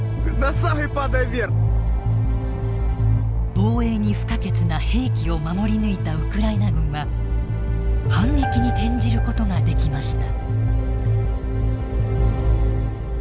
防衛に不可欠な兵器を守り抜いたウクライナ軍は反撃に転じることができました。